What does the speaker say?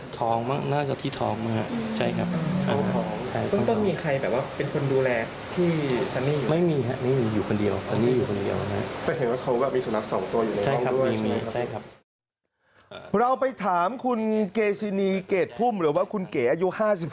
ต้องมีใครเป็นคนดูแลที่ซันนี่อยู่